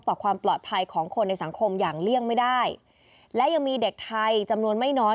ต่อความปลอดภัยของคนในสังคมอย่างเลี่ยงไม่ได้และยังมีเด็กไทยจำนวนไม่น้อย